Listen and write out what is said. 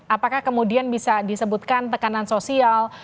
apakah kemudian bisa disebutkan tekanan sosial